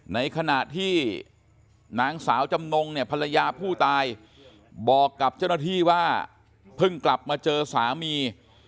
ในขณะที่นางสาวจำนงเนี่ยภรรยาผู้ตายบอกกับเจ้าหน้าที่ว่าเพิ่งกลับมาเจอสามี